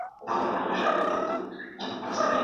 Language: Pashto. غیرت د وطن د دفاع لومړی شرط دی.